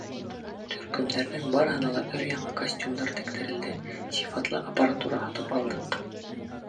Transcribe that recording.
Төркөмдәрҙең барыһына ла өр-яңы костюмдар тектерелде, сифатлы аппаратура һатып алдыҡ.